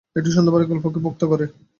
একটা সুন্দর বাড়ি, গল্পকে পোক্ত করে।